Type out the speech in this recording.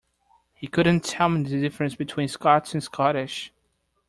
He couldn't tell me the difference between Scots and Scottish